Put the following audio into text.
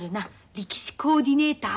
力士コーディネーター。